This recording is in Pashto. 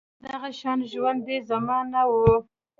بس دغه شان ژوند دې زما نه وي